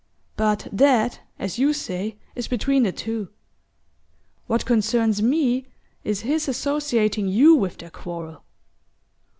But that, as you say, is between the two. What concerns me is his associating you with their quarrel.